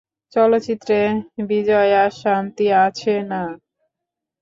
চলচ্চিত্রে বিজয়াশান্তি আছে না?